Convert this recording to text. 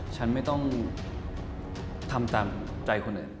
ฉันไม่ต้องทำตามใจคนอื่น